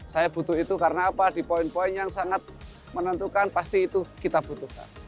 saya butuh itu karena apa di poin poin yang sangat menentukan pasti itu kita butuhkan